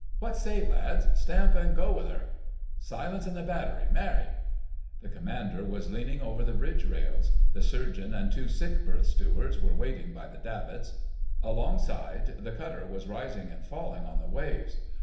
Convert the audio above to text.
"What say, lads? Stamp an' go with 'er?" "Silence in the battery! Marry!" The Commander was leaning over the bridge rails; the Surgeon and two Sick berth Stewards were waiting by the davits. Alongside the cutter was rising and falling on the waves....